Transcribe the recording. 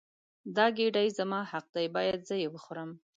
دا ګیډۍ زما حق دی باید زه یې وخورم.